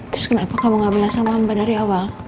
terus kenapa kamu gak bilang sama hamba dari awal